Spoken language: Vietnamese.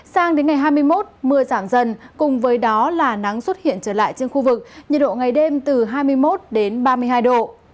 sang đến ngày hai mươi một mưa giảm dần cùng với đó là nắng xuất hiện trở lại trên khu vực nhiệt độ ngày đêm từ hai mươi một đến ba mươi hai độ